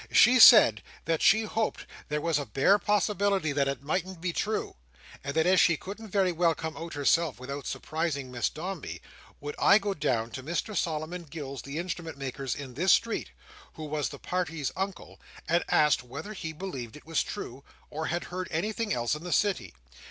She said that she hoped there was a bare possibility that it mightn't be true; and that as she couldn't very well come out herself, without surprising Miss Dombey, would I go down to Mr Solomon Gills the Instrument maker's in this street, who was the party's Uncle, and ask whether he believed it was true, or had heard anything else in the City.